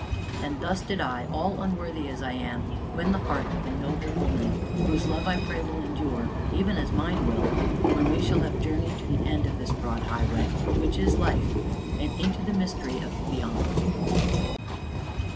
And thus did I, all unworthy as I am, win the heart of a noble woman whose love I pray will endure, even as mine will, when we shall have journeyed to the end of this Broad Highway, which is Life, and into the mystery of the Beyond.